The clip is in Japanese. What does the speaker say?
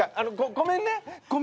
ごめんね。